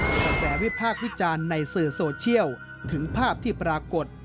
กระแสวิพากษ์วิจารณ์ในสื่อโซเชียลถึงภาพที่ปรากฏ